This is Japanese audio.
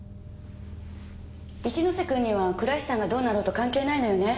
一ノ瀬くんには倉石さんがどうなろうと関係ないのよね。